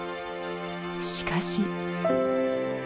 しかし。